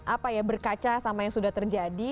apa ya berkaca sama yang sudah terjadi